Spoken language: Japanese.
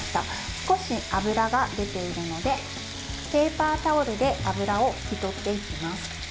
少し脂が出ているのでペーパータオルで脂を拭き取っていきます。